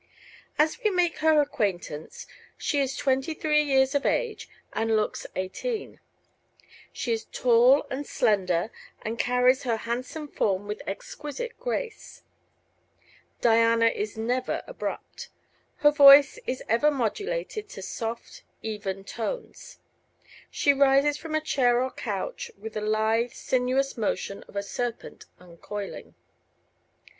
As we make her acquaintance she is twenty three years of age and looks eighteen. She is tall and slender and carries her handsome form with exquisite grace. Diana is never abrupt; her voice is ever modulated to soft, even tones; she rises from a chair or couch with the lithe, sinuous motion of a serpent uncoiling.